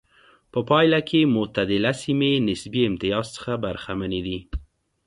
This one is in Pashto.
په پایله کې معتدله سیمې نسبي امتیاز څخه برخمنې دي.